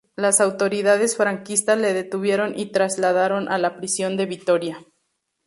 Las autoridades franquistas le detuvieron y trasladaron a la prisión de Vitoria.